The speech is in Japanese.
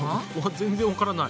全然わからない。